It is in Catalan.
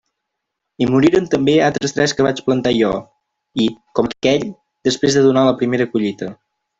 I moriren també altres tres que vaig plantar jo, i, com aquell, després de donar la primera collita.